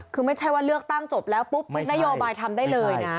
คือไม่ใช่ว่าเลือกตั้งจบแล้วปุ๊บนโยบายทำได้เลยนะ